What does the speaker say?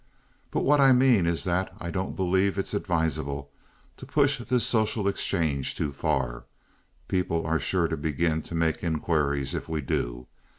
But what I mean is that I don't believe it's advisable to push this social exchange too far. People are sure to begin to make inquiries if we do.